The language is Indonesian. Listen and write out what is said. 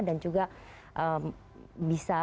dan juga bisa